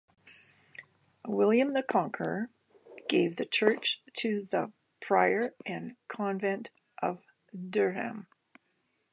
William the Conqueror gave the church to the prior and convent of Durham.